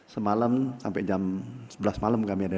semalam sampai jam sebelas malam kami ada